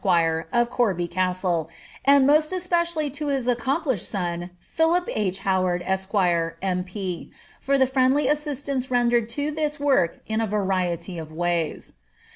* of Corby Castle, and most especially to his accomplished son, Philip H. Howard, esq., M.P., for the friendly assistance rendered to this work in a variety of ways.